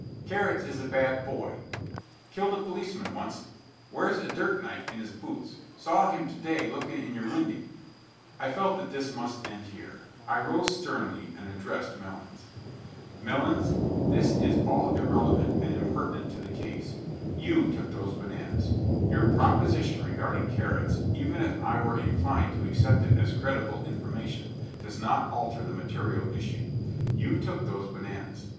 "Carrots is a bad boy. Killed a policeman onct. Wears a dirk knife in his boots, saw him to day looking in your windy." I felt that this must end here. I rose sternly and addressed Melons. "Melons, this is all irrelevant and impertinent to the case. You took those bananas. Your proposition regarding Carrots, even if I were inclined to accept it as credible information, does not alter the material issue. You took those bananas.